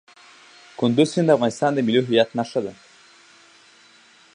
کندز سیند د افغانستان د ملي هویت نښه ده.